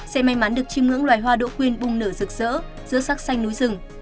sẽ may mắn được chiêm ngưỡng loài hoa đỗ quyên bùng nở rực rỡ giữa sắc xanh núi rừng